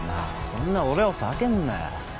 そんな俺を避けんなよ。